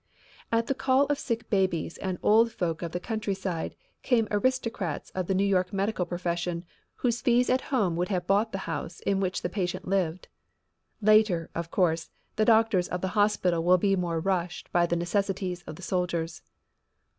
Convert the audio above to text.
At the call of sick babies and old folk of the countryside came aristocrats of the New York medical profession whose fees at home would have bought the house in which the patient lived. Later, of course, the doctors of the hospital will be more rushed by the necessities of the soldiers.